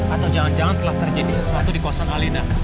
atau jangan jangan telah terjadi sesuatu di kosan alina